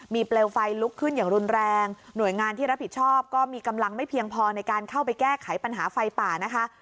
เปลวไฟลุกขึ้นอย่างรุนแรงหน่วยงานที่รับผิดชอบก็มีกำลังไม่เพียงพอในการเข้าไปแก้ไขปัญหาไฟป่านะคะ